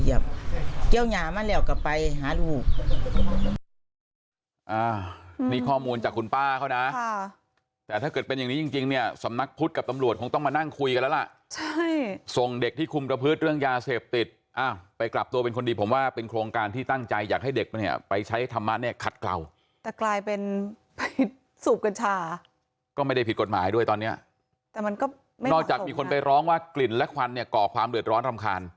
เดี๋ยวนี้เขาก็ไปหยับเกี้ยวหญามาแล้วกลับไปหาลูก